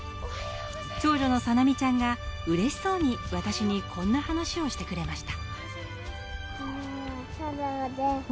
長者の彩波ちゃんが嬉しそうに私にこんな話をしてくれました。